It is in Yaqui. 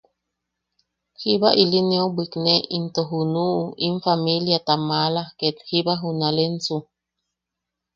Jiba ili neu bwikne into junuʼu in famiiliata maala ket jiba junalensu.